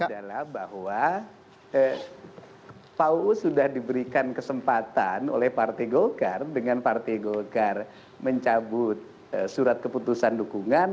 yang pertama adalah bahwa pau sudah diberikan kesempatan oleh partai golkar dengan partai golkar mencabut surat keputusan dukungan